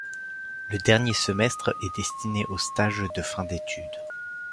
Le dernier semestre est destiné aux stages de fin d'étude.